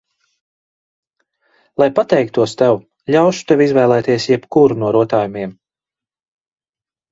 Lai pateiktos tev, ļaušu tev izvēlēties jebkuru no rotājumiem.